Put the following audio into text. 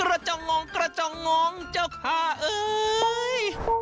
กระเจ้างงกระเจ้างงเจ้าข้าเอ้ย